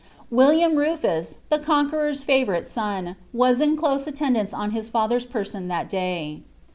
William Rnfus, the Conqueror'a fiivoivJK son, was in close attendance on his father's person that day.